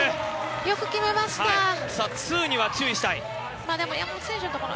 よく決めました。